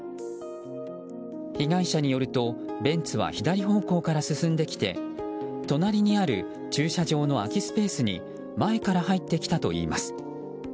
被害者によるとベンツは左方向から進んできて隣にある駐車場の空きスペースに前から入ってきたといいます。